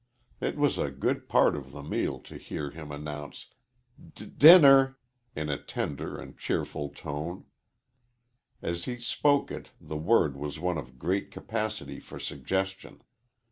It was a good part of the meal to hear him announce, "Di dinner," in a tender and cheerful tone. As he spoke it the word was one of great capacity for suggestion.